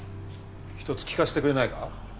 ひとつ聞かせてくれないか？